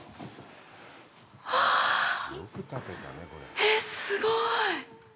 ええ、すごい。